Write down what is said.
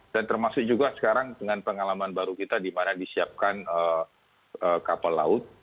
dan termasuk juga sekarang dengan pengalaman baru kita di mana disiapkan kapal laut